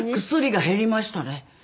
薬が減りましたね。